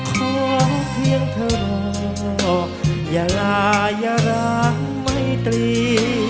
ขอเพียงเธอรออย่าร้าอย่าร้าไม่ตรี